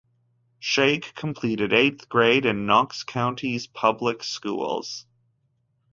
Shake completed eighth grade in Knox County's public schools.